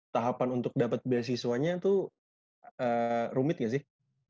tahapan untuk dapat beasiswanya tuh rumit gak sih